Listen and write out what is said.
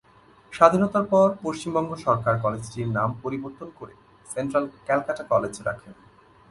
স্বাধীনতার পর পশ্চিমবঙ্গ সরকার কলেজটির নাম পরিবর্তন করে "সেন্ট্রাল ক্যালকাটা কলেজ" রাখেন।